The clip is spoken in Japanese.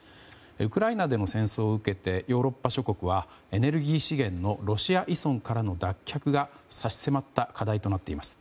ウクライナでの戦闘を受けてヨーロッパ諸国はエネルギー資源のロシア依存からの脱却が差し迫った課題となっています。